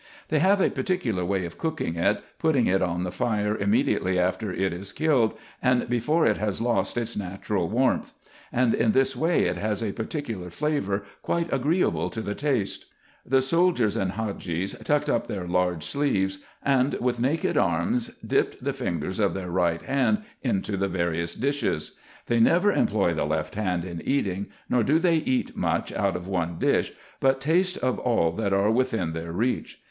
They have a particular way. of cooking it, putting it on the fire immediately after it is killed, and before it has lost its natural warmth ; and in this way it has a particular flavour, quite agreeable to the taste. The soldiers and Hadgees tucked up their large sleeves, and with naked arms dipped the fingers of their right hands into the various dishes. They never employ the left hand in eating, nor do they eat much out of one dish, but taste of all that are within their reach.